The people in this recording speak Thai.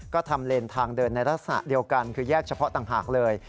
ก็ทำเลนทางเดินในลักษณะเดียวกันคือแยกเฉพาะต่างหากเลย